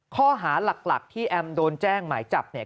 ข้อหาหลักที่แอมโดนแจ้งหมายจับเนี่ย